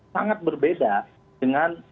sangat berbeda dengan